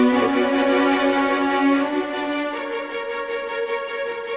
nah sekarang coba majukan kakinya